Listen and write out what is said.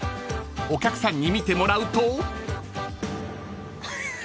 ［お客さんに見てもらうと］